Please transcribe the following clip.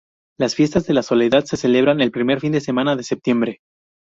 Las fiestas de La Soledad se celebran el primer fin de semana de septiembre.